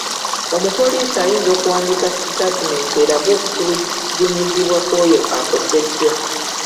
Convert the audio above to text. Omupoliisi ayinza okuwandiika sitatimenti eraga okutulugunyizibwa kw'oyo akoseddwa.